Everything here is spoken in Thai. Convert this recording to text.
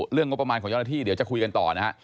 เรื่องงบประมาณของยอดที่เดี๋ยวจะคุยกันต่อนะฮะ